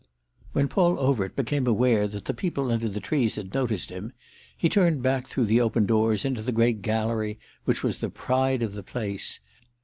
When Paul Overt became aware that the people under the trees had noticed him he turned back through the open doors into the great gallery which was the pride of the place.